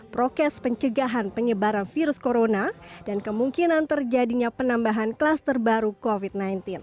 prokes pencegahan penyebaran virus corona dan kemungkinan terjadinya penambahan kluster baru covid sembilan belas